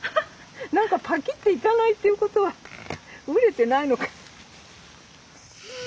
何かパキッていかないっていうことは熟れてないのかな。